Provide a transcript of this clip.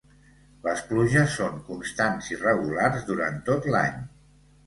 Les pluges són constants i regulars durant tot l'any.